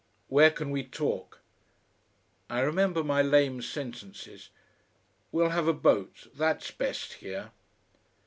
"Where can we talk?" I remember my lame sentences. "We'll have a boat. That's best here."